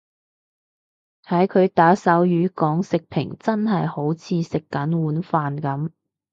睇佢打手語講食評真係好似食緊碗飯噉